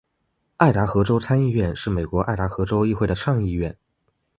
爱达荷州参议院是美国爱达荷州议会的上议院。